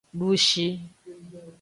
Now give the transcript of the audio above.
Dushi.